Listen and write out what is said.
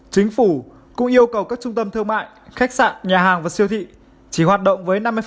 chính phủ cũng yêu cầu các trung tâm thương mại khách sạn nhà hàng và siêu thị chỉ hoạt động với năm mươi